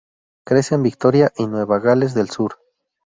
Crece en Victoria y Nueva Gales del Sur.